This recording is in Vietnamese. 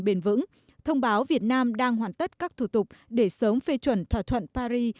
bền vững thông báo việt nam đang hoàn tất các thủ tục để sớm phê chuẩn thỏa thuận paris